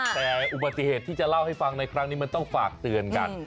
แต่อุบัติเหตุที่จะเล่าให้ฟังในครั้งนี้มันต้องฝากเตือนกัน